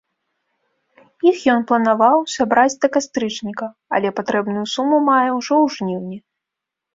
Іх ён планаваў сабраць да кастрычніка, але патрэбную суму мае ўжо ў жніўні.